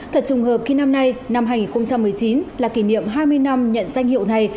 thật trùng hợp khi năm nay năm hai nghìn một mươi chín là kỷ niệm hai mươi năm nhận danh hiệu này